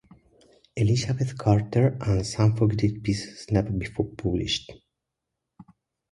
Elizabeth Carter, and Some Fugitive Pieces, Never Before Published.